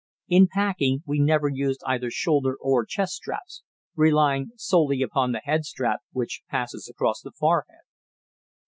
In packing we never used either shoulder or chest straps, relying solely upon the head strap, which passes across the forehead.